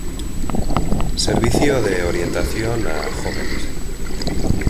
Servicio de orientación a jóvenes.